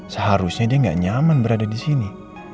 seharusnya dia nggak nyaman berada di sini